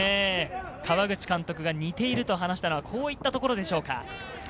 川口監督が似ていると話したのは、こういったところでしょうか。